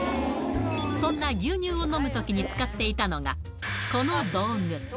そんな牛乳を飲むときに使っていたのがこの道具。